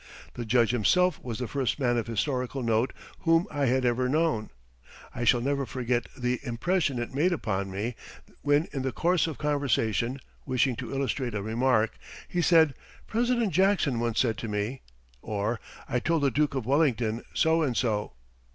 The Judge himself was the first man of historical note whom I had ever known. I shall never forget the impression it made upon me when in the course of conversation, wishing to illustrate a remark, he said: "President Jackson once said to me," or, "I told the Duke of Wellington so and so."